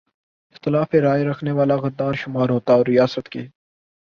اختلاف رائے رکھنے والا غدار شمار ہوتا اور ریاست کے